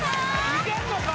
いけんのか？